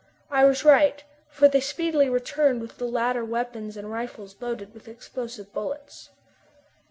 I was right, for they speedily returned with the latter weapons and rifles loaded with explosive bullets.